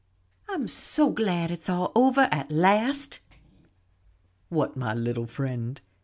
"I'm so glad it's all over at last!" "What, my little friend?"